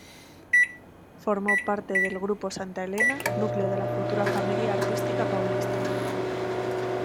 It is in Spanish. Formó parte del Grupo Santa Helena, núcleo de la futura Família Artística Paulista.